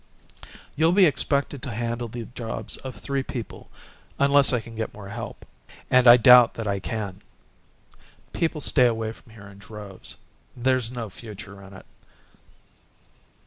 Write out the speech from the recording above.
You'll be expected to handle the jobs of three people unless I can get more help and I doubt that I can. People stay away from here in droves. There's no future in it."